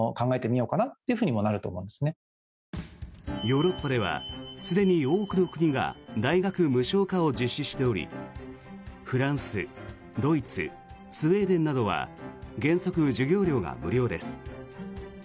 ヨーロッパではすでに多くの国が大学無償化を実施しておりフランス、ドイツスウェーデンなどは原則、授業料が無料です。